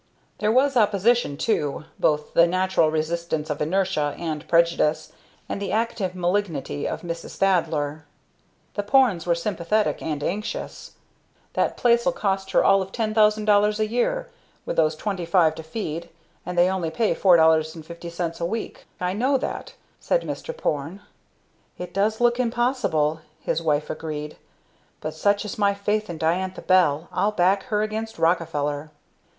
There was opposition too; both the natural resistance of inertia and prejudice, and the active malignity of Mrs. Thaddler. The Pornes were sympathetic and anxious. "That place'll cost her all of $10,000 a year, with those twenty five to feed, and they only pay $4.50 a week I know that!" said Mr. Porne. "It does look impossible," his wife agreed, "but such is my faith in Diantha Bell I'd back her against Rockefeller!"